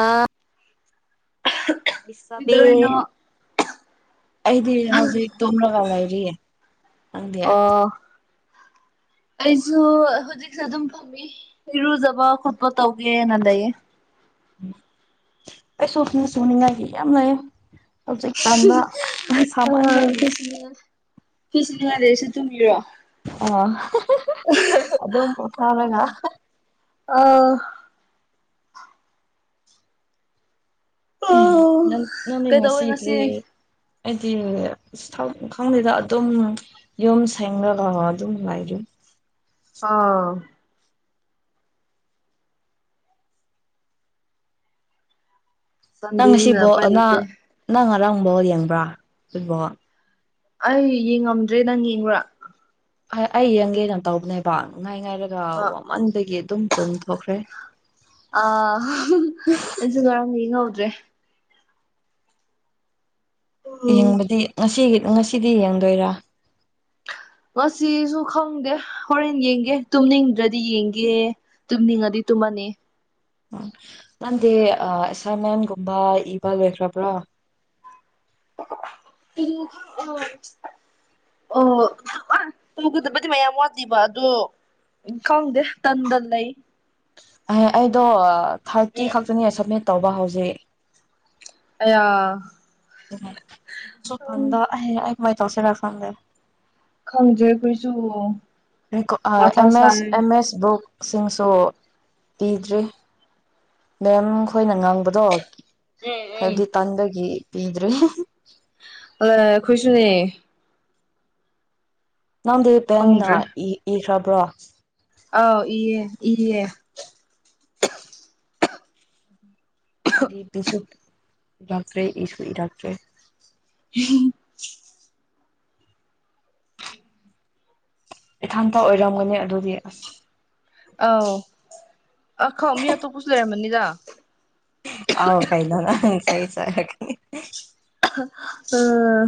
ꯑꯥ ꯏꯁ ꯑꯕꯦ ꯀꯩꯗꯧꯔꯤꯅꯣ ꯑꯩꯗꯤ ꯍꯧꯖꯤꯛ ꯇꯨꯝꯂꯒ ꯂꯩꯔꯤꯌꯦ ꯅꯪꯗꯤ ꯑꯣ ꯑꯩꯁꯨ ꯍꯨꯖꯤꯛꯁꯨꯦ ꯑꯗꯨꯝ ꯐꯝꯃꯤ ꯏꯔꯨꯖꯕ ꯈꯣꯠꯄ ꯇꯧꯒꯦꯅ ꯂꯩꯌꯦ ꯑꯩꯁꯨ ꯐꯤ ꯁꯨꯅꯤꯡꯉꯥꯏꯒꯤ ꯌꯥꯝ ꯂꯩꯌꯦ ꯍꯧꯖꯤꯛ ꯇꯟꯗ ꯁꯥꯃꯟꯕꯒꯤ [unintelligible] ꯐꯤ ꯁꯨꯅꯤꯡꯉꯥꯏ ꯂꯩꯁꯨ ꯇꯨꯝꯃꯤꯔꯣ ꯑ ꯑꯗꯨꯝ ꯄ꯭ꯔꯣꯐꯥꯜ ꯑꯣꯏꯅ ꯑ ꯎꯝ ꯑꯣ ꯅꯪ ꯅꯪꯅ ꯉꯁꯤ ꯀ꯭ꯔꯤ ꯑꯩꯗꯤ [unintelligible] ꯈꯪꯗꯦꯗ ꯑꯗꯨꯝ ꯌꯨꯝ ꯁꯦꯡꯔꯒ ꯑꯗꯨꯝ ꯂꯩꯔꯤ ꯑꯥ ꯆꯟꯗꯦ ꯅꯪꯁꯤꯕꯣ ꯑꯉꯥ ꯅꯪ ꯉꯔꯥꯡ ꯕꯣꯜ ꯌꯦꯡꯕ꯭ꯔꯥ ꯐꯨꯠꯕꯣꯜ ꯑꯩ ꯌꯦꯡꯉꯝꯗ꯭ꯔꯦ ꯅꯪ ꯌꯦꯡꯕ꯭ꯔꯥ ꯑ ꯑꯩ ꯌꯦꯡꯒꯦꯅ ꯇꯧꯕꯅꯦꯕ ꯅꯨꯡꯉꯥꯏ ꯉꯥꯏꯔꯒ ꯑ ꯋꯥꯃꯟꯕꯒꯤ ꯑꯗꯨꯝ ꯇꯨꯝꯊꯣꯛꯈ꯭ꯔꯦ ꯑ ꯑꯩꯖꯨ ꯉꯔꯥꯡ ꯌꯦꯡꯍꯧꯗ꯭ꯔꯦ ꯌꯦꯡꯕꯗꯤ ꯉꯁꯤꯒꯤ ꯉꯁꯤꯗꯤ ꯌꯦꯡꯗꯣꯏꯔꯥ ꯉꯁꯤꯁꯨ ꯈꯪꯗꯦ ꯍꯣꯔꯦꯟ ꯌꯦꯡꯒꯦ ꯇꯨꯝꯅꯤꯡꯗ꯭ꯔꯗꯤ ꯌꯦꯡꯒꯦ ꯇꯨꯝꯅꯤꯡꯉꯗꯤ ꯇꯨꯝꯃꯅꯤ ꯎ ꯅꯟꯗꯤ ꯑ ꯑꯦꯁꯥꯏꯟꯃꯦꯟꯒꯨꯝꯕ ꯏꯕ ꯂꯣꯏꯈ꯭ꯔꯕ꯭ꯔꯥ [unintelligible] ꯑꯣ ꯇꯧꯒꯗꯕꯗꯤ ꯃꯌꯥꯝ ꯋꯥꯂꯤꯕ ꯑꯗꯣ ꯈꯪꯗꯦ ꯇꯟꯗ ꯂꯩ ꯑꯍ ꯑꯩꯗꯣ ꯊꯥꯔꯇꯤ ꯈꯛꯇꯅꯦ ꯁꯕꯃꯤꯠ ꯇꯧꯕ ꯍꯧꯖꯤꯛ ꯑꯌꯥ ꯁꯨꯄꯥꯟꯗ ꯑꯩꯍꯦ ꯑꯩ ꯀꯃꯥꯏ ꯇꯧꯁꯤꯔ ꯈꯪꯗꯦ ꯈꯪꯗ꯭ꯔꯦ ꯈꯣꯏꯁꯨ ꯔꯤꯡꯀꯣ ꯑ ꯑꯦꯝ ꯃꯦꯁ ꯑꯦꯝ ꯃꯦꯁ ꯕꯨꯛꯁꯤꯡꯁꯨ ꯄꯤꯗ꯭ꯔꯤ ꯃꯦꯝ ꯈꯣꯏꯅ ꯉꯥꯡꯕꯗꯣ ꯍꯥꯏꯕꯗꯤ ꯇꯥꯟꯕꯒꯤ ꯄꯤꯗ꯭ꯔꯤ ꯑꯂ ꯈꯣꯏꯁꯨꯅꯦ ꯅꯪꯗꯤ ꯄꯦꯟꯅ ꯈꯪꯗ꯭ꯔꯦ ꯏ ꯏꯈ꯭ꯔꯕ꯭ꯔꯣ ꯑꯥꯎ ꯏꯌꯦ ꯏꯌꯦ [inaudible] ꯑꯩꯗꯤ ꯄꯤꯁꯨ ꯏꯔꯛꯇ꯭ꯔꯦ ꯏꯁꯨ ꯏꯔꯛꯇ꯭ꯔꯦ [unintelligible] ꯏꯊꯟꯇ ꯑꯣꯏꯔꯝꯒꯅꯤ ꯑꯗꯨꯗꯤ ꯑꯁ ꯑꯥꯎ ꯑꯈꯣ ꯃꯤ ꯑꯇꯣꯞꯃꯁꯨ ꯂꯩꯔꯝꯃꯅꯤꯗ ꯑꯥꯎ ꯀꯩꯅꯣ ꯅꯪ ꯆꯩ ꯆꯥꯒꯅꯤ ꯑ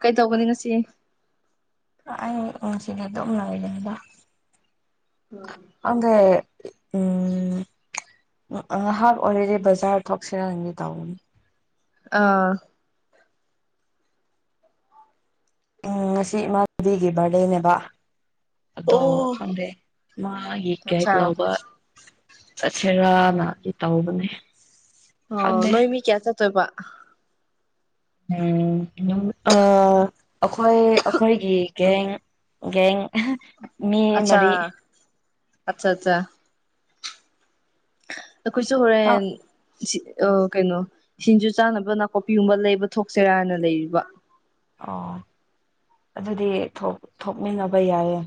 ꯀꯩ ꯇꯧꯒꯅꯤ ꯉꯁꯤ ꯑ ꯑꯩ ꯉꯁꯤꯗꯤ ꯑꯗꯨꯝ ꯂꯩꯒꯅꯤꯗ ꯑꯟꯗꯦ ꯎꯝ ꯍꯥꯐ ꯑꯣꯏꯔꯗꯤ ꯕꯖꯥꯔ ꯊꯣꯛꯁꯤꯔꯥ ꯍꯪꯒꯦ ꯇꯧꯕꯅꯤ ꯑꯥ ꯎꯝ ꯉꯁꯤ ꯏꯃꯥꯟꯅꯕꯤꯒꯤ ꯕꯥꯔꯗꯦꯅꯦꯕ ꯑꯗꯣ ꯑꯣ ꯈꯪꯗꯦ ꯃꯥꯒꯤ ꯀꯦꯛ ꯑꯠꯆꯥ ꯂꯥꯎꯕ ꯆꯠꯁꯦꯔꯥꯅꯗꯤ ꯇꯧꯕꯅꯦ ꯑꯣ ꯈꯪꯗꯦ ꯅꯣꯏ ꯃꯤ ꯀꯌꯥ ꯆꯠꯇꯣꯏꯕ ꯎꯝ ꯑꯥ ꯑꯈꯣꯏ ꯑꯈꯣꯏꯒꯤ ꯒꯦꯡ ꯒꯦꯡ ꯃꯤ ꯑꯆꯥ ꯃꯔꯤ ꯑꯆ ꯆ ꯑꯈꯣꯏꯁꯨ ꯑ ꯍꯣꯔꯦꯟ ꯁꯤ ꯑ ꯀꯩꯅꯣ ꯁꯤꯟꯖꯨ ꯆꯥꯅꯕ ꯅꯥꯀꯨꯞꯄꯤꯒꯨꯝꯕ ꯂꯩꯕ ꯊꯣꯛꯁꯤꯔꯥꯅ ꯂꯩꯔꯤꯕ ꯑꯣ ꯑꯗꯨꯗꯤ ꯊꯣꯛ ꯊꯣꯛꯃꯤꯟꯅꯕ ꯌꯥꯏꯌꯦ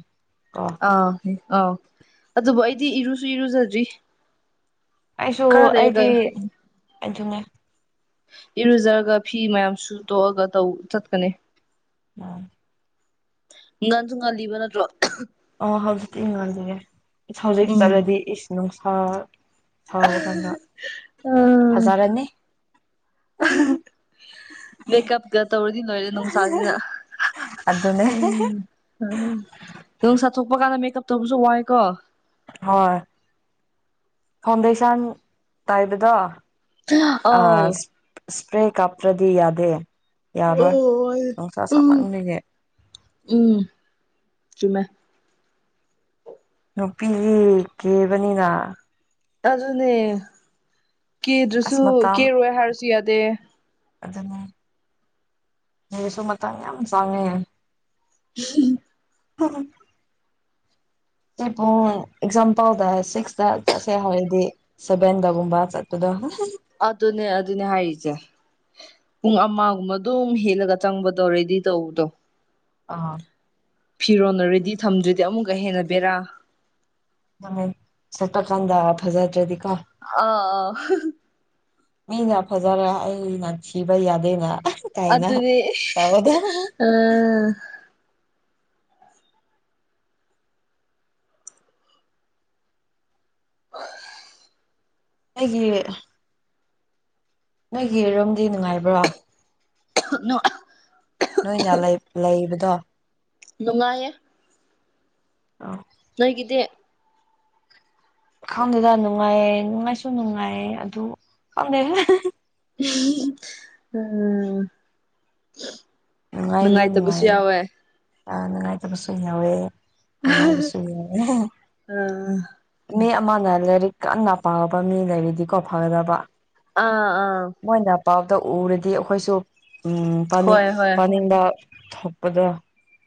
ꯀꯣ ꯑꯥ ꯑꯥꯎ ꯑꯗꯨꯕꯨ ꯑꯩꯗꯤ ꯏꯔꯨꯁꯨ ꯏꯔꯨꯖꯗ꯭ꯔꯤ ꯈꯔ ꯁꯨ ꯂꯩꯔꯒ ꯑꯩꯗꯤ ꯑꯗꯨꯅꯦ ꯏꯔꯨꯖꯔꯒ ꯐꯤ ꯃꯌꯥꯝ ꯁꯨ ꯇꯣꯛꯑꯒ ꯇꯧ ꯆꯠꯀꯅꯤ ꯎꯝ ꯉꯟꯖꯨ ꯉꯜꯂꯤꯕ ꯅꯠꯇ꯭ꯔꯣ ꯑꯣ ꯍꯧꯖꯤꯛꯇꯤ ꯉꯜꯂꯤꯒꯦ ꯍꯧꯖꯤꯛ ꯎꯝ ꯆꯠꯂꯗꯤ ꯏꯁ ꯅꯨꯡꯁꯥ ꯁꯥꯕ ꯀꯥꯟꯗ ꯐꯖꯔꯅꯤ ꯃꯦꯀꯞꯒ ꯇꯧꯔꯗꯤ ꯂꯣꯏꯔꯦ ꯅꯨꯡꯁꯥꯖꯤꯅ ꯑꯗꯨꯅꯦ ꯎꯝ ꯅꯣꯡꯁꯥ ꯊꯣꯛꯄ ꯀꯥꯟꯗ ꯃꯦꯛꯀꯞ ꯇꯧꯕꯁꯨ ꯋꯥꯏꯀꯣ ꯍꯣꯏ ꯐꯥꯎꯟꯗꯦꯁꯟ ꯇꯩꯕꯗꯣ ꯑ ꯑꯧ ꯁꯄ꯭ꯔꯦ ꯀꯥꯞꯇ꯭ꯔꯗꯤ ꯌꯥꯗꯦ ꯌꯥꯔꯣꯏ ꯑꯣ ꯅꯨꯡꯁꯥ ꯎꯝ ꯁꯥꯃꯟꯕꯒꯤ ꯎꯝ ꯆꯨꯝꯃꯦ ꯅꯨꯄꯤꯗꯤ ꯀꯦꯕꯅꯤꯅ ꯑꯗꯨꯅꯦ ꯑꯁ ꯀꯦꯗ꯭ꯔꯁꯨ ꯀꯦꯔꯣꯏ ꯍꯥꯏꯔꯁꯨ ꯌꯥꯗꯦ ꯑꯗꯨꯅꯦ ꯁꯤꯗꯁꯨ ꯃꯇꯝ ꯌꯥꯝ ꯆꯥꯡꯉꯦ [unintelligible] [unintelligible] ꯄꯨꯡ ꯑꯦꯛꯖꯥꯝꯄꯜꯗ ꯁꯤꯛꯁꯇ ꯆꯠꯁꯦ ꯍꯥꯏꯔꯗꯤ ꯁꯕꯦꯟꯗꯕꯒꯨꯝꯕ ꯆꯠꯄꯗꯣ ꯑꯗꯨꯅꯦ ꯑꯗꯨꯅꯦ ꯍꯥꯏꯔꯤꯖꯦ ꯄꯨꯡ ꯑꯃꯒꯨꯝꯕ ꯑꯗꯨꯝ ꯍꯦꯜꯂꯒ ꯆꯪꯕꯗꯣ ꯔꯦꯗꯤ ꯇꯧꯕꯗꯣ ꯑꯥ ꯐꯤꯔꯣꯟꯅ ꯔꯦꯗꯤ ꯊꯝꯗ꯭ꯔꯤꯗꯤ ꯑꯃꯨꯛꯀ ꯍꯦꯟꯅ ꯕꯦꯔꯥ ꯃꯅꯦ ꯁꯦꯠꯄ ꯀꯥꯟꯗ ꯐꯖꯗ꯭ꯔꯗꯤꯀꯣ ꯑ ꯑ ꯃꯤꯅ ꯐꯖꯔꯦ ꯑꯩꯅ ꯊꯤꯕ ꯌꯥꯗꯦꯅ ꯀꯥꯏꯅ ꯑꯗꯨꯗꯤ ꯇꯧꯕꯗ ꯑ [inaudible] ꯑꯩꯒꯤ ꯅꯣꯏꯒꯤ ꯔꯨꯝꯗꯤ ꯅꯨꯡꯉꯥꯏꯕ꯭ꯔꯣ ꯅꯨꯡ ꯅꯣꯏꯅ ꯂꯩꯕꯗꯣ ꯅꯨꯡꯉꯥꯏꯌꯦ ꯑꯥ ꯅꯣꯏꯒꯤꯗꯤ ꯈꯪꯗꯦꯗ ꯅꯨꯡꯉꯥꯏꯌꯦ ꯅꯨꯡꯉꯥꯏꯁꯨ ꯅꯨꯡꯉꯥꯏꯌꯦ ꯑꯗꯨ ꯈꯪꯗꯦ [unintelligible] ꯅꯨꯡꯉꯥꯏꯇꯕꯁꯨ ꯌꯥꯎꯋꯦ ꯑ ꯅꯨꯡꯉꯥꯏꯇꯕꯁꯨ ꯌꯥꯎꯋꯦ ꯅꯨꯡꯉꯥꯏꯕꯁꯨ ꯌꯥꯎꯋꯦ ꯑ ꯃꯤ ꯑꯃꯅ ꯂꯥꯏꯔꯤꯛ ꯀꯟꯅ ꯄꯥꯕ ꯃꯤ ꯂꯩꯔꯤꯗꯤꯀꯣ ꯐꯒꯗꯕ ꯑꯥ ꯑꯥ ꯃꯣꯏꯅ ꯄꯥꯕꯗꯣ ꯎꯔꯗꯤ ꯑꯈꯣꯏꯁꯨ ꯎꯝ ꯄꯥꯅꯤꯡ ꯍꯣꯏ ꯍꯣꯏ ꯄꯥꯅꯤꯡꯕ ꯊꯣꯛꯄꯗ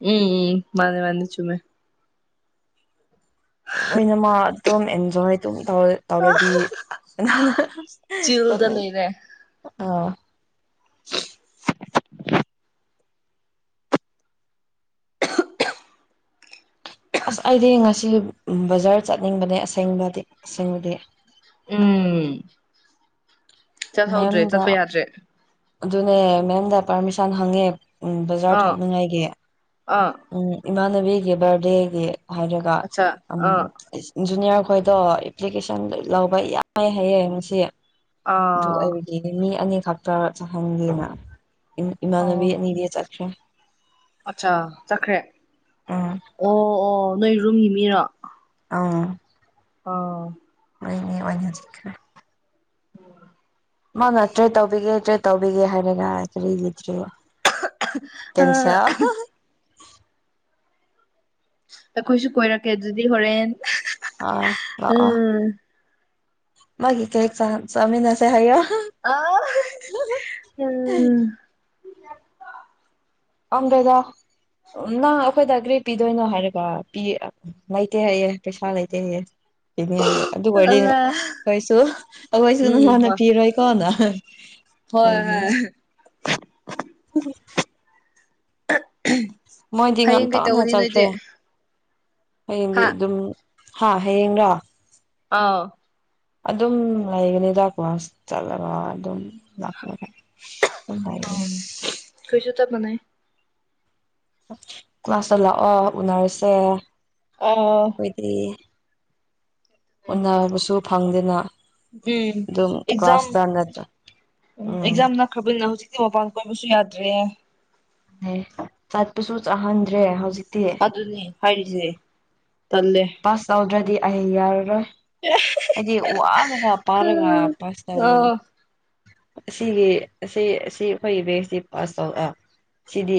ꯎꯝ ꯎꯝ ꯃꯥꯅꯦ ꯃꯥꯅꯦ ꯆꯨꯝꯃꯦ ꯑꯩꯅ ꯃꯥ ꯗꯣꯝ ꯑꯦꯟꯖꯣꯏ ꯑꯗꯨꯝ ꯇꯧꯋꯦ ꯇꯧꯔꯗꯤ ꯅꯅꯥ ꯆꯤꯜꯗ ꯇꯣꯠꯅꯩ ꯂꯩꯔꯦ ꯑꯥ [inaudible] ꯑꯁ ꯑꯩꯗꯤ ꯉꯁꯤ ꯕꯖꯥꯔ ꯆꯠꯅꯤꯡꯕꯅꯦ ꯑꯁꯦꯡꯕꯗꯤ ꯑꯁꯦꯡꯕꯗꯤ ꯎꯝ ꯆꯠꯍꯧꯗ꯭ꯔꯦ ꯆꯠꯄ ꯃꯦꯝꯗ ꯌꯥꯗ꯭ꯔꯦ ꯑꯗꯨꯅꯦ ꯃꯦꯝꯗ ꯄꯥꯔꯃꯤꯁꯟ ꯍꯪꯉꯦ ꯕꯖꯥꯔ ꯑꯥ ꯊꯣꯛꯅꯤꯉꯥꯏꯒꯤ ꯑꯥ ꯎꯝ ꯏꯃꯥꯟꯅꯕꯤꯒꯤ ꯕꯥꯔꯗꯦꯒꯤ ꯍꯥꯏꯔꯒ ꯑꯠꯆꯥ ꯑꯃꯨ ꯑꯥ ꯖꯨꯅꯤꯌꯥꯔ ꯈꯣꯏꯗꯣ ꯑꯦꯄ꯭ꯂꯤꯀꯦꯁꯟ ꯂꯧꯕ ꯌꯥꯏ ꯍꯥꯏꯌꯦ ꯉꯁꯤ ꯑꯗꯨ ꯑꯥ ꯑꯩ ꯒꯤꯗꯤ ꯃꯤ ꯑꯅꯤ ꯈꯛꯇ ꯆꯠꯍꯟꯒꯦꯅ ꯑꯣ ꯏꯃꯥꯟꯅꯕꯤ ꯑꯅꯤꯗꯤ ꯆꯠꯈ꯭ꯔꯦ ꯑꯠꯆꯥ ꯆꯠꯈ꯭ꯔꯦ ꯎꯝ ꯑꯣ ꯑꯣ ꯅꯣꯏ ꯔꯨꯝꯒꯤ ꯃꯤꯔꯥ ꯑ ꯑꯥ [unintelligible] ꯃꯥꯅ ꯇ꯭ꯔꯦꯠ ꯇꯧꯕꯤꯒꯦ ꯇ꯭ꯔꯦꯠ ꯇꯧꯕꯤꯒꯦ ꯍꯥꯏꯔꯒ ꯀꯔꯤ ꯂꯩꯇ꯭ꯔꯤꯕ ꯑ ꯀꯦꯟꯁꯦꯜ ꯑꯩꯈꯣꯏꯁꯨ ꯀꯣꯏꯔꯛꯀꯦ ꯑꯗꯨꯗꯤ ꯍꯣꯔꯦꯟ ꯑꯥ ꯂꯥꯛꯑꯣ ꯎꯝ ꯃꯥꯒꯤ ꯀꯦ ꯆꯥ ꯆꯥꯃꯤꯟꯅꯁꯦ ꯍꯥꯏꯌꯣ ꯑ ꯎꯝ ꯑꯪꯗꯦꯗꯥ ꯅꯪ ꯑꯩꯈꯣꯏꯗ ꯀ꯭ꯔꯤ ꯄꯤꯗꯣꯏꯅꯣ ꯍꯥꯏꯔꯒ ꯄꯤ ꯂꯩꯇꯦ ꯍꯥꯏꯌꯦ ꯄꯩꯁꯥ ꯂꯩꯇꯦ ꯍꯥꯏꯌꯦ ꯄꯤꯅꯤꯉꯥꯏꯒꯤ ꯑꯗꯨ ꯑꯣꯏꯔꯗꯤ ꯅꯪ ꯑꯜꯂ ꯈꯣꯏꯁꯨ ꯑꯈꯣꯏꯁꯨ ꯎꯝ ꯅꯪꯉꯣꯟꯅ ꯍꯣꯏ ꯄꯤꯔꯣꯏꯀꯣꯅ ꯍꯣꯏ ꯍꯥꯏꯕꯅꯦꯕ ꯍꯣꯏ [inaudible] [unintelligible] ꯃꯣꯏꯗꯤ ꯍꯌꯦꯡ ꯀꯩ ꯉꯟꯇꯥꯅ ꯇꯧꯒꯅꯤ ꯅꯣꯏꯗꯤ ꯆꯠꯈ꯭ꯔꯦ ꯍꯌꯦꯡꯒꯤ ꯍꯥ ꯑꯗꯨꯝ ꯍꯥ ꯍꯌꯦꯡꯔ ꯑꯥ ꯑꯗꯨꯝ ꯂꯩꯒꯅꯤꯗꯥ ꯀ꯭ꯂꯥꯁ ꯆꯠꯂꯒ ꯑꯗꯨꯝ ꯂꯥꯛꯄ ꯈꯣꯏꯁꯨ ꯆꯞ ꯃꯥꯅꯩ ꯀ꯭ꯂꯥꯁꯇ ꯂꯥꯛꯑꯣ ꯎꯅꯔꯁꯦ ꯑ ꯈꯣꯏꯗꯤ ꯎꯅꯕꯁꯨ ꯐꯪꯗꯅ ꯎꯝ ꯑꯦꯛꯖꯥꯝ ꯎꯝ ꯑꯦꯛꯖꯥꯝ ꯅ ꯈꯕꯜꯅ ꯍꯧꯖꯤꯛꯇꯤ ꯃꯄꯥꯟ ꯀꯣꯏꯕꯁꯨ ꯌꯥꯗ꯭ꯔꯦ ꯂꯩ ꯆꯠꯄꯁꯨ ꯆꯥꯠꯍꯟꯗ꯭ꯔꯦ ꯍꯧꯖꯤꯛꯇꯤ ꯑꯗꯨꯅꯦ ꯍꯥꯏꯔꯤꯁꯦ ꯇꯜꯂꯦ ꯄꯥꯁ ꯇꯧꯗ꯭ꯔꯗꯤ ꯑꯩ ꯌꯥꯔꯔꯣꯏ [unintelligible] ꯑꯩꯗꯤ ꯋꯥꯔꯒ ꯑ ꯄꯥꯔꯒ ꯄꯥꯁ ꯇꯧ ꯑꯥ ꯑꯁꯤꯒꯤ ꯑꯁꯤ ꯑꯁꯤ ꯑꯈꯣꯏꯒꯤ ꯕꯦꯁꯁꯤ ꯄꯥꯁ ꯇꯧ ꯑꯥ ꯁꯤꯗꯤ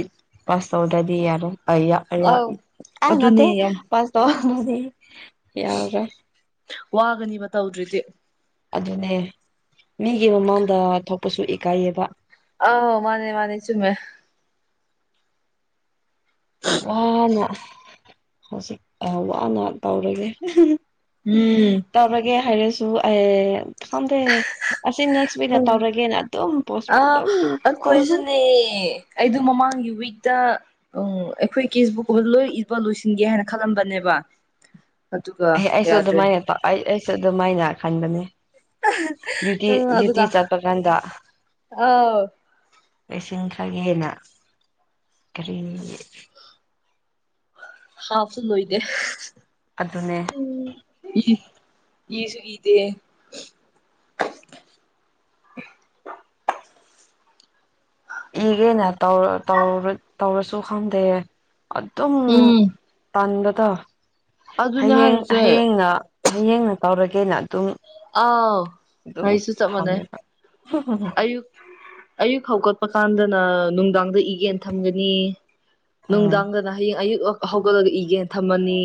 ꯄꯥꯁ ꯇꯧꯗ꯭ꯕꯗꯤ ꯌꯥꯔꯣꯢ [unintelligible] ꯌꯥ ꯑꯥꯎ ꯌꯥ ꯅꯠꯇꯦ ꯑꯗꯨꯅꯦ ꯌꯥꯝ ꯄꯥꯁ [unintelligible] ꯌꯥꯎꯔꯣꯢ ꯋꯥꯒꯅꯤꯕ ꯇꯧꯗ꯭ꯔꯗꯤ ꯑꯗꯨꯅꯦ ꯃꯤꯒꯤ ꯃꯃꯥꯡꯗ ꯊꯣꯛꯄꯁꯨ ꯏꯀꯥꯏꯌꯦꯕ ꯑꯧ ꯃꯥꯅꯦ ꯃꯥꯅꯦ ꯆꯨꯝꯃꯦ ꯋꯥꯅ ꯍꯧꯖꯤꯛ ꯑꯥ ꯋꯥꯅ ꯇꯧꯔꯤꯅꯦ [unintelligible] ꯎꯝ ꯇꯧꯔꯒꯦ ꯍꯥꯏꯔꯁꯨ ꯑꯦ ꯈꯪꯗꯦ ꯑꯁꯤ ꯅꯦꯛꯁ ꯑꯣꯢꯅ ꯇꯧꯔꯒꯦꯅ ꯑꯗꯨꯝ ꯄꯣꯁꯄꯣꯟ ꯑꯥ ꯑꯗꯨꯝ ꯇꯧ ꯑꯩꯗꯨ ꯃꯃꯥꯡꯒꯤ ꯋꯤꯛꯇ ꯎ ꯑꯩꯈꯣꯏ ꯀꯦꯁꯕꯨꯛꯀꯨꯝꯕꯗ ꯂꯣꯏ ꯏꯕ ꯂꯣꯏꯁꯤꯟꯒꯦ ꯍꯥꯏꯅ ꯈꯜꯂꯝꯕꯅꯦꯕ ꯑꯗꯨꯒ ꯑꯩ ꯑꯩꯁꯨ ꯌꯥꯗ꯭ꯔꯦ ꯑꯗꯨꯃꯥꯏꯅ [unintelligible] ꯑꯩ ꯑꯩꯁꯨ ꯑꯗꯨꯃꯥꯏꯅ ꯈꯟꯕꯅꯤ ꯗ꯭ꯌꯨꯇꯤ ꯑ ꯗ꯭ꯌꯨꯇꯤ ꯑꯗꯨꯒ ꯆꯠꯄ ꯒꯥꯟꯗ ꯑꯥꯎ ꯄꯤꯁꯤꯟꯈ꯭ꯔꯒꯦꯅ ꯀꯔꯤ ꯍꯥꯥꯐꯁꯨ ꯂꯣꯏꯗꯦ ꯑꯗꯨꯅꯦ ꯏ ꯏꯁꯨꯨ ꯏꯗꯦ ꯏꯒꯦꯅꯧ ꯇꯧꯔ ꯇꯧꯔ ꯇꯧꯔꯁꯨ ꯈꯪꯗꯦ ꯑꯗꯨꯝ ꯎꯝ ꯇꯟꯕꯗꯣ ꯑꯗꯨꯅꯦ ꯍꯌꯦꯡ ꯍꯥꯏꯔꯤꯁꯦ ꯍꯌꯦꯡꯅ ꯍꯌꯦꯡꯅ ꯇꯧꯔꯒꯦꯅ ꯑꯗꯨꯝ ꯑꯥꯎ ꯑꯗꯨꯝ ꯑꯩꯁꯨ ꯆꯞ ꯃꯥꯟꯅꯩ ꯊꯝꯃꯦꯕ ꯑꯌꯨꯛ ꯑꯌꯨꯛ ꯍꯧꯒꯠꯄ ꯀꯥꯟꯗꯅ ꯅꯨꯡꯗꯥꯡꯗ ꯏꯒꯦꯅ ꯊꯝꯒꯅꯤ ꯎꯝ ꯅꯨꯡꯗꯥꯡꯗꯅ ꯍꯌꯦꯡ ꯑꯌꯨꯛ [unintelligible] ꯍꯧꯒꯠꯂꯒ ꯏꯒꯦꯅ ꯊꯝꯃꯅꯤ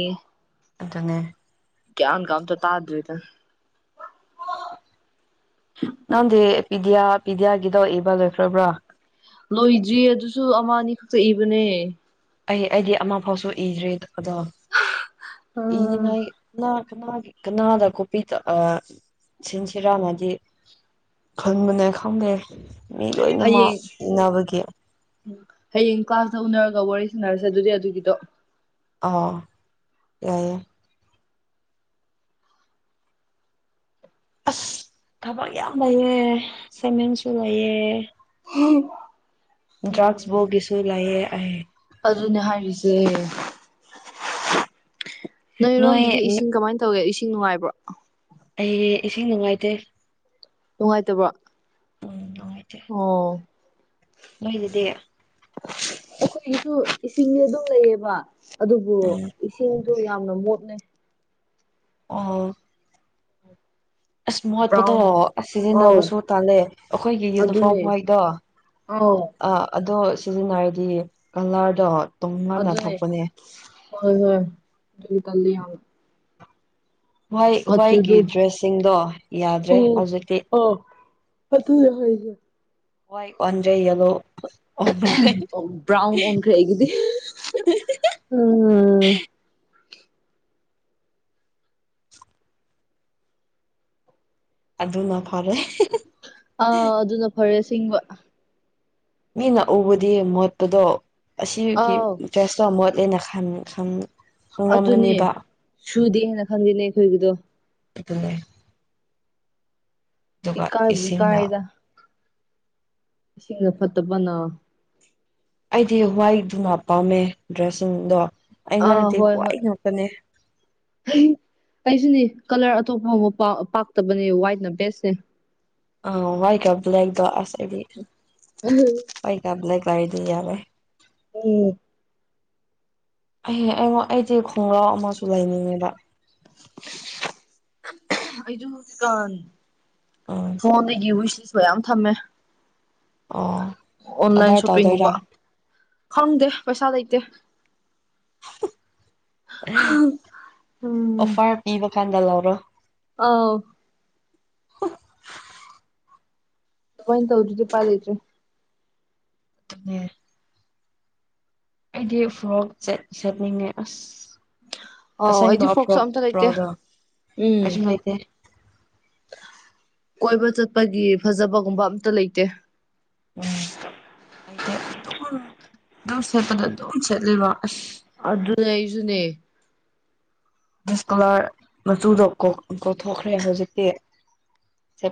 ꯑꯗꯨꯅꯤ ꯒ꯭ꯌꯥꯟꯒ ꯑꯝꯇ ꯇꯥꯗ꯭ꯔꯦꯗ [unintelligible] ꯅꯪꯗꯤ ꯄꯤꯗꯤꯌꯥ ꯄꯤꯗꯤꯌꯥꯒꯤꯗꯣ ꯏꯕ ꯂꯣꯏꯈ꯭ꯔꯕ꯭ꯔꯥ ꯂꯣꯏꯗ꯭ꯔꯤꯌꯦ ꯑꯗꯨꯁꯨ ꯑꯃ ꯑꯅꯤ ꯈꯛꯇ ꯏꯕꯅꯦ ꯑꯩ ꯑꯩꯗꯤ ꯑꯃ ꯐꯥꯎꯁꯨ ꯏꯗ꯭ꯔꯤ ꯑꯗꯣ ꯑꯥ ꯏꯅꯤꯡꯉꯥꯏ ꯉꯥꯛ ꯀꯅꯥꯒꯤ ꯀꯅꯥꯗ ꯀꯣꯞꯄꯤ ꯇꯧ ꯑꯥ ꯁꯤꯟꯁꯤꯔꯥꯅꯗꯤ ꯈꯟꯕꯅꯦ ꯈꯪꯗꯦ ꯃꯤ ꯂꯣꯏꯅꯃꯛ ꯍꯌꯦꯡ ꯏꯅꯥꯕꯒꯤ ꯍꯌꯦꯡ ꯀ꯭ꯂꯥꯁꯇ ꯎꯅꯔꯒ ꯋꯥꯔꯤ ꯁꯥꯟꯅꯔꯁꯦ ꯑꯗꯨꯗꯤ ꯑꯗꯨꯒꯤꯗꯣ ꯑꯣ ꯌꯥꯏꯌꯦ ꯑꯁ ꯊꯕꯛ ꯌꯥꯝ ꯂꯩꯌꯦ ꯑꯦꯁꯥꯢꯃꯦꯟꯁꯨ ꯂꯩꯌꯦ [unintelligible] ꯗ꯭ꯔꯒꯁꯕꯣꯜꯒꯤ ꯁꯨꯨ ꯂꯩꯌꯦ ꯑꯩ ꯑꯗꯨꯅꯦ ꯍꯥꯏꯔꯤꯁꯦ ꯅꯣꯏ ꯅꯣꯏꯔꯣꯝꯗꯗꯤ ꯏꯁꯤꯡ ꯀꯃꯥꯏꯟ ꯇꯧꯋꯦ ꯏꯁꯤꯡ ꯅꯨꯡꯉꯥꯏꯕ꯭ꯔꯣ ꯑꯩ ꯏꯁꯤꯡ ꯅꯨꯡꯉꯥꯏꯇꯦ ꯅꯨꯡꯉꯥꯏꯇꯕ꯭ꯔꯣ ꯎꯝ ꯑꯣ ꯃꯣꯏꯗꯤꯗꯤ ꯑꯩꯈꯣꯏꯒꯤꯁꯨ ꯏꯁꯤꯡꯗꯤ ꯑꯗꯨꯝ ꯂꯩꯌꯦꯕ ꯑꯗꯨꯕꯨ ꯎꯝ ꯏꯁꯤꯡ ꯑꯗꯨ ꯌꯥꯝꯅ ꯃꯣꯠꯅꯦ ꯑꯣ ꯑꯁ ꯃꯣꯠꯄꯗꯣ ꯕ꯭ꯔꯥꯎꯟ ꯑꯁ ꯑꯧ ꯁꯤꯖꯤꯟꯅꯕꯁꯨ ꯇꯜꯂꯦ ꯑꯈꯣꯏꯒꯤ ꯌꯨꯅꯤꯐꯣꯔꯝ ꯑꯗꯨꯅꯦ ꯍꯥꯏꯗꯣ ꯑꯧ ꯑ ꯑꯗꯣ ꯁꯤꯖꯤꯟꯅꯔꯗꯤ ꯀꯂꯔꯗꯣ ꯇꯣꯉꯥꯟꯅ ꯑꯗꯨꯅꯦ ꯊꯣꯛꯄꯅꯦ ꯍꯣꯏ ꯍꯣꯏ ꯑꯗꯨ ꯇꯜꯂꯤ ꯌꯥꯝꯅ ꯍꯣꯏ ꯍꯣꯏꯒꯤ ꯃꯆꯨꯗꯨ ꯗ꯭ꯔꯦꯁꯁꯤꯡꯗꯣ ꯌꯥꯗ꯭ꯔꯦ ꯍꯧꯖꯤꯛꯇꯤ ꯑꯇꯨꯅꯦ ꯍꯥꯏꯖꯦ ꯋꯥꯏꯠ ꯑꯣꯟꯗ꯭ꯔꯦ ꯌꯦꯂꯣ ꯑꯣꯟꯒ꯭ꯔꯦ ꯕ꯭ꯔꯥꯎꯟ ꯑꯣꯟꯈ꯭ꯔꯦ ꯑꯩꯒꯤꯗꯤ ꯑꯗꯨꯅ ꯐꯔꯦ ꯑꯥ ꯑꯗꯨꯅ ꯐꯔꯦ ꯑꯁꯦꯡꯕ ꯃꯤꯅ ꯎꯕꯨꯗꯤ ꯃꯣꯠꯄꯗꯣ ꯑꯁꯤꯒꯤ ꯑꯥꯎ ꯗ꯭ꯔꯦꯁꯇꯣ ꯃꯣꯠꯂꯦꯅ ꯈꯟ ꯈꯟ ꯑꯗꯨꯅꯦ ꯈꯪꯔꯝꯒꯅꯦꯕ ꯁꯨꯗꯦ ꯍꯥꯏꯅ ꯈꯜꯂꯦꯅꯦ ꯑꯩꯈꯣꯏꯒꯤꯗꯣ ꯑꯗꯨꯅꯦ ꯑꯗꯨꯒ ꯏꯀꯥꯏꯕꯨ ꯏꯁꯤꯡꯅ ꯏꯀꯥꯏꯗ ꯏꯁꯤꯡꯅ ꯐꯠꯇꯕꯅ ꯑꯩꯗꯤ ꯍ꯭ꯋꯥꯏ ꯗꯨꯅ ꯄꯥꯝꯃꯦ ꯗ꯭ꯔꯦꯁꯁꯤꯡꯗꯣ ꯑꯥ ꯑꯩꯉꯣꯟꯗꯗꯤ ꯍꯣꯏ ꯍ꯭ꯋꯥꯏ ꯍꯣꯏ ꯉꯥꯛꯇꯅꯦ ꯑꯩꯁꯨꯅꯤ ꯀꯂꯔ ꯑꯇꯣꯞꯄꯕꯨ ꯄ ꯄꯥꯛꯇꯕꯅꯦ ꯋꯥꯏꯠꯅ ꯕꯦꯁꯅꯦ ꯑꯥ ꯋꯥꯏꯠꯀ ꯕ꯭ꯂꯦꯛꯗꯣ ꯑꯁ ꯑꯩꯗꯤ ꯋꯥꯏꯠꯀ ꯕ꯭ꯂꯦꯛ ꯂꯩꯔꯗꯤ ꯌꯥꯔꯦ ꯎꯝ ꯑꯩꯍꯦ ꯑꯩꯉ ꯑꯩꯖꯦ ꯈꯣꯡꯒ꯭ꯔꯥꯎ ꯑꯃꯁꯨ ꯂꯩꯅꯤꯡꯉꯦꯕ ꯑꯩꯖꯨꯀꯥꯟ ꯎꯝ ꯐꯣꯟꯗꯒꯤ ꯋꯤꯁꯂꯤꯁ ꯃꯌꯥꯝ ꯊꯝꯃꯦ ꯑꯣ ꯑꯣꯟꯂꯥꯏꯟ ꯑꯣꯗꯔ ꯇꯧꯗꯣꯏꯔꯥ ꯁꯣꯞꯄꯤꯡꯒꯨꯝꯕ ꯈꯪꯗꯦ ꯄꯩꯁꯥ ꯂꯩꯇꯦ ꯎꯝ ꯑꯣꯐꯔ ꯄꯤꯕ ꯀꯥꯟꯗ ꯂꯧꯔꯣ ꯑꯥꯎ ꯗꯨꯃꯥꯏ ꯇꯧꯗ꯭ꯔꯗꯤ ꯎꯄꯥꯏ ꯂꯩꯇ꯭ꯔꯦ [unintelligible] ꯑꯩꯗꯤ ꯐ꯭ꯔꯣꯛ ꯆꯦꯠ ꯁꯦꯠꯅꯤꯡꯉꯦ ꯑꯁ ꯑꯥꯎ ꯑꯩꯗꯤ ꯑꯁꯦꯡꯕ ꯐ꯭ꯔꯣꯛꯁꯨ ꯐ꯭ꯔꯣꯛ ꯑꯝꯇ ꯂꯩꯇꯦ ꯄ꯭ꯔꯥꯎꯗꯣ ꯎꯝ ꯑꯩꯁꯨ ꯂꯩꯇꯦ ꯀꯣꯏꯕ ꯆꯠꯄꯒꯤ ꯐꯖꯕꯒꯨꯝꯕ ꯑꯝꯇ ꯂꯩꯇꯦ ꯎꯝ ꯂꯩꯇꯦ ꯑꯗꯨꯝ ꯗꯨꯝ ꯁꯦꯠꯄꯗ ꯑꯗꯨꯝ ꯁꯦꯠꯂꯤꯔꯣ ꯑꯁ ꯑꯗꯨꯅꯦ ꯑꯩꯁꯨꯅꯦ ꯗꯤꯁꯀꯂꯔ ꯃꯆꯨꯗꯣ ꯀꯣꯛ ꯀꯣꯛꯊꯣꯛꯈ꯭ꯔꯦ ꯍꯧꯖꯤꯛꯇꯤ ꯁꯦꯠ